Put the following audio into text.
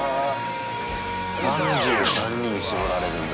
３３人に絞られるんだ。